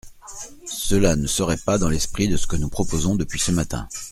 Cela ne serait pas dans l’esprit de ce que nous proposons depuis ce matin.